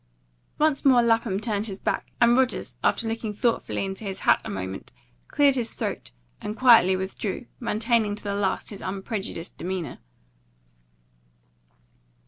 Once more Lapham turned his back, and Rogers, after looking thoughtfully into his hat a moment, cleared his throat, and quietly withdrew, maintaining to the last his unprejudiced demeanour.